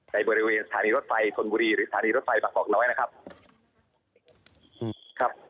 ในบริเวณสถานีรถไฟธนบุรีหรือสถานีรถไฟบางกอกน้อยนะครับครับ